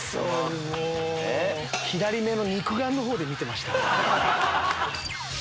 左目の肉眼のほうで見てました。